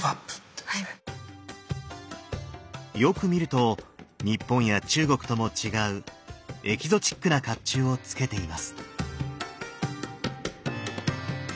よく見ると日本や中国とも違うエキゾチックな甲冑をつけています。